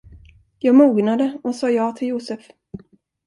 Jag mognade och sa ja till Joseph.